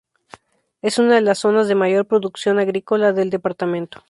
Es una de las zonas de mayor producción agrícola del departamento.